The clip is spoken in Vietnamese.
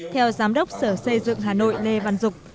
theo giám đốc sở xây dựng hà nội lê văn dục